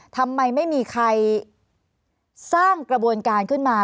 ทำไมไม่มีใครสร้างกระบวนการขึ้นมา